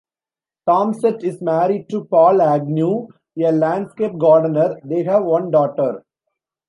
Thomsett is married to Paul Agnew, a landscape gardener; they have one daughter.